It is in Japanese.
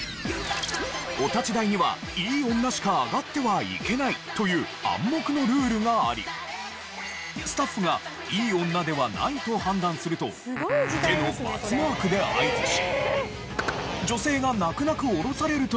お立ち台にはいい女しか上がってはいけないという暗黙のルールがありスタッフがいい女ではないと判断すると手のバツマークで合図し女性が泣く泣く下ろされるという。